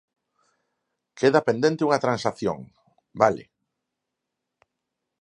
Queda pendente unha transacción, vale.